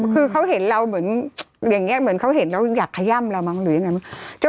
คือเขาเห็นเราเหมือนอย่างนี้เหมือนเขาเห็นแล้วอยากขย่ำเรามั้งหรือยังไงมั้ง